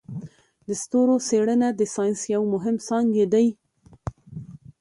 د ستورو څیړنه د ساینس یو مهم څانګی دی.